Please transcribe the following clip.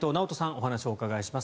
お話をお伺いします。